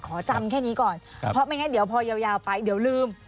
ขอจำแค่นี้ก่อนเพราะไม่งั้นเดี๋ยวพอยาวไปเดี๋ยวลืม